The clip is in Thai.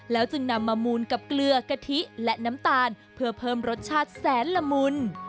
จึงนำมามูลกับเกลือกะทิและน้ำตาลเพื่อเพิ่มรสชาติแสนละมุน